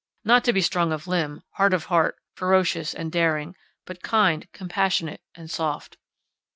Not to be strong of limb, hard of heart, ferocious, and daring; but kind, compassionate and soft."